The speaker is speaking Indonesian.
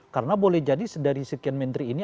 karena boleh jadi dari sekian menteri ini